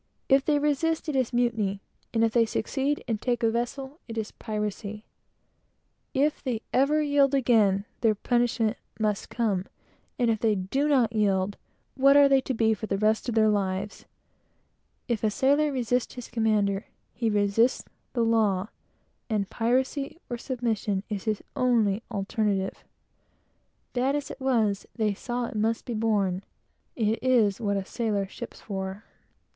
If they resist, it is mutiny; and if they succeed, and take the vessel, it is piracy. If they ever yield again, their punishment must come; and if they do not yield, they are pirates for life. If a sailor resist his commander, he resists the law, and piracy or submission are his only alternatives. Bad as it was, it must be borne. It is what a sailor ships for.